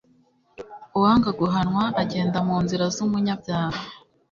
uwanga guhanwa agenda mu nzira z'umunyabyaha